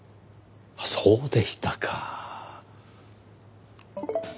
そうでしたか。